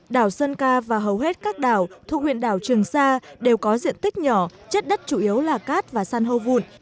đảo sơn ca và hầu hết các đảo thuộc huyện đảo trường sa đều có diện tích nhỏ chất đất chủ yếu là cát và san hô vụ